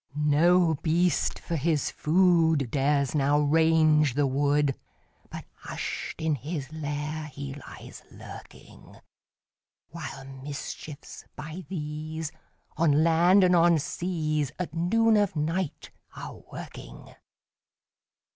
No beast, for his food, Dares now range the wood, But hush'd in his lair he lies lurking; While mischiefs, by these, On land and on seas, At noon of night are a working.